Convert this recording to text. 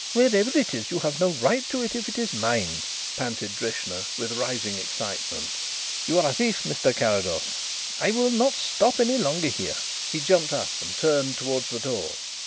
"Wherever it is you have no right to it if it is mine," panted Drishna, with rising excitement. "You are a thief, Mr. Carrados. I will not stay any longer here." He jumped up and turned towards the door.